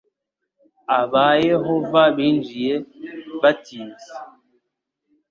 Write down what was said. Aba Yehova binjiye batinze